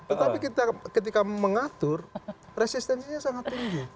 tetapi kita ketika mengatur resistensinya sangat tinggi